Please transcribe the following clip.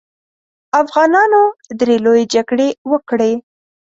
افغانانو درې لويې جګړې وکړې.